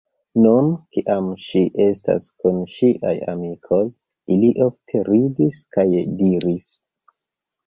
Nun, kiam ŝi estas kun ŝiaj amikoj, ili ofte ridis kaj diris: